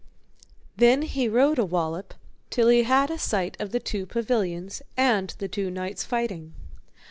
Then he rode a wallop till he had a sight of the two pavilions, and the two knights fighting.